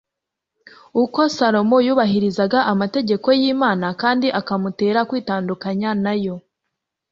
uko salomo yubahirizaga amategeko y'imana kandi akamutera kwitandukanya na yo